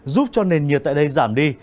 giúp cho nền nhiệt tại đây giảm đi